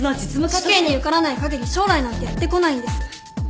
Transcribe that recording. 試験に受からない限り将来なんてやって来ないんです。